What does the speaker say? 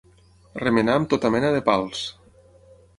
Remenà amb tota mena de pals.